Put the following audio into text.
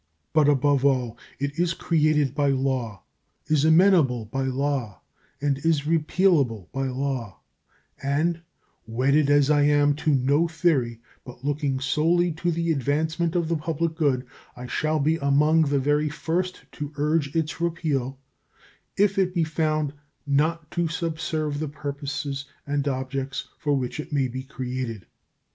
But above all, it is created by law, is amendable by law, and is repealable by law, and, wedded as I am to no theory, but looking solely to the advancement of the public good, I shall be among the very first to urge its repeal if it be found not to subserve the purposes and objects for which it may be created.